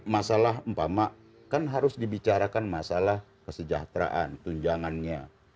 masalah mpama kan harus dibicarakan masalah kesejahteraan tunjangannya